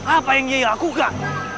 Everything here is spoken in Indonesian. apa yang dia lakukan